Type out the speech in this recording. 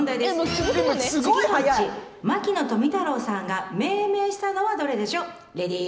次のうち牧野富太郎さんが命名したのは、どれでしょう？